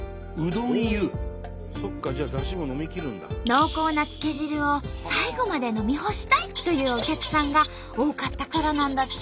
濃厚なつけ汁を最後まで飲み干したいというお客さんが多かったからなんだって。